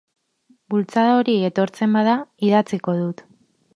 Bultzada hori etortzen bada, idatziko dut.